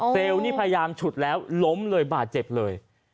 นี่พยายามฉุดแล้วล้มเลยบาดเจ็บเลย